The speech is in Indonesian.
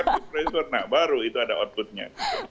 nah baru itu ada outputnya